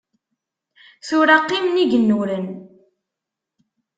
Tura qqimen igennuren.